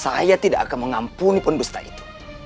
saya tidak akan mengampuni pendusta itu